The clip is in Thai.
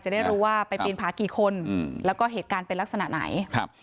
จะได้รู้ว่าไปปีนผากี่คนอืมแล้วก็เหตุการณ์เป็นลักษณะไหนครับ